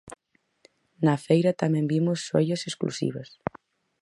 Na feira tamén vimos xoias exclusivas.